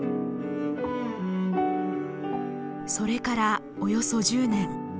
それからおよそ１０年。